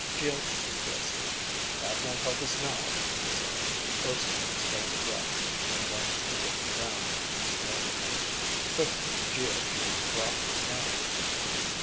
Geo took his wrist. "That won't help us now," he said. Urson expelled a breath, and then continued down, slowly. Quickly Geo turned to drop now.